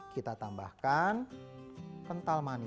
kita tambahkan kental manis